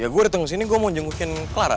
ya gue ditunggu sini gue mau jengukin clara